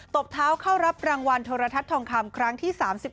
ตบเท้าเข้ารับรางวัลโทรทัศน์ทองคำครั้งที่๓๑